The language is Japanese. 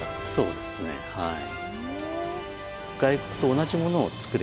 そうですねはい。